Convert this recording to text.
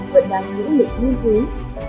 vẫn đang những lực nghiên cứu